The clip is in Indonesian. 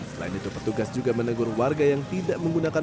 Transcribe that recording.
selain itu petugas juga menegur warga yang tidak menggunakan